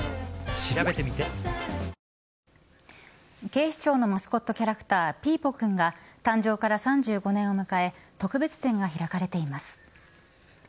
警視庁のマスコットキャラクター、ピーポくんが誕生から３５年を迎え特別展が開かれています。